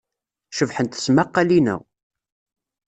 Cebḥent tesmaqqalin-a.